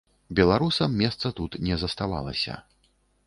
Беларусам месца тут не заставалася.